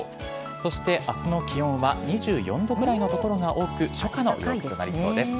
そして明日の気温は２４度くらいの所が多く初夏の陽気となりそうです。